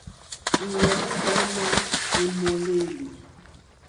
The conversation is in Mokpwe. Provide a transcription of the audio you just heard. Íwɔ̌ní já má èmòlêlì.